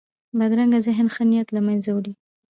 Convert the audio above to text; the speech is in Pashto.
بدرنګه ذهن ښه نیت له منځه وړي